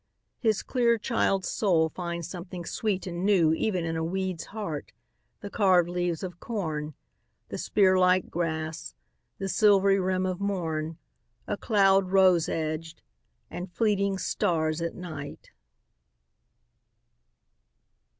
His clear child's soul finds something sweet and newEven in a weed's heart, the carved leaves of corn, The spear like grass, the silvery rim of morn,A cloud rose edged, and fleeting stars at night!